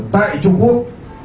tại trung quốc